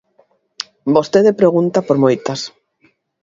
Vostede pregunta por moitas.